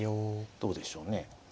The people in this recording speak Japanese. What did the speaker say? どうでしょうね。